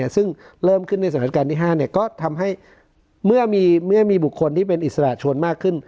ซึ่งเริ่มขึ้นในสถานการณ์ที่๕ก็ทำให้เมื่อมีบุคคลที่เป็นอิสระชวนมากขึ้น